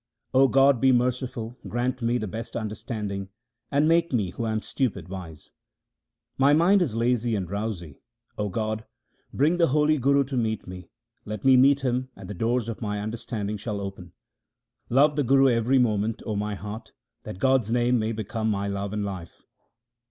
O God, be merciful, grant me the best understanding, and make me who am stupid wise. My mind is lazy and drowsy. 0 God, bring the holy Guru to meet me ; let me meet him, and the doors of my understanding shall open. Love the Guru every moment, O my heart, that God's name may become my love and life.